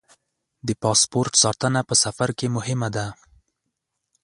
د پاسپورټ ساتنه په سفر کې مهمه ده.